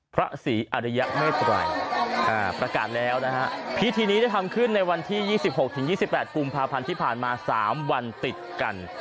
พระศรีอริยเมตรัยประกาศแล้วนะฮะพิธีนี้ได้ทำขึ้นในวันที่๒๖๒๘กุมภาพันธ์ที่ผ่านมา๓วันติดกัน